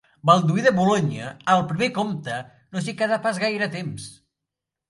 Balduí de Boulogne, el primer comte, no s'hi quedà pas gaire temps.